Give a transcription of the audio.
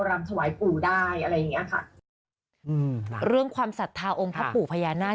เรื่องความสัทธาองค์พระปู่พญานาค